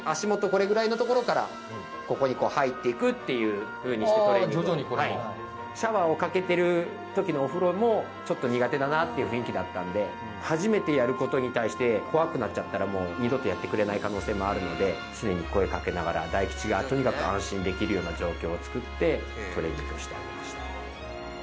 これぐらいのところからここにこう入っていくっていうふうにしてトレーニングシャワーをかけてるときのお風呂もちょっと苦手だなあっていう雰囲気だったんで初めてやることに対して怖くなっちゃったらもう二度とやってくれない可能性もあるので常に声かけながら大吉がとにかく安心できるような状況をつくってトレーニングをしてあげました